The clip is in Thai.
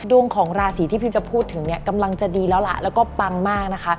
ดวงของราศีที่พิมจะพูดถึงเนี่ยกำลังจะดีแล้วล่ะแล้วก็ปังมากนะคะ